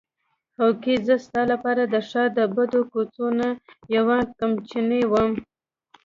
هوکې زه ستا لپاره د ښار د بدو کوڅو نه یوه کمچنۍ وم.